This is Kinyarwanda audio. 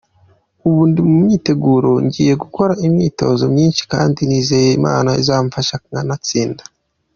Ubu ndi mu myiteguro ngiye gukora imyitozi myinshi kandi nizeye ko Imana izamfasha nkanatsinda.